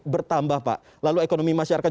bertambah pak lalu ekonomi masyarakat